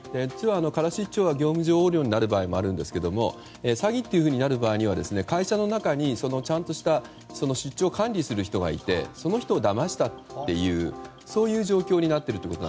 カラ出張は業務上横領になる場合もありますが詐欺ということになりますと会社の中に、ちゃんとした出張を管理する人がいてその人をだましたという状況になっていると。